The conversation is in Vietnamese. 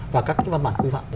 và các cái văn bản quy phạm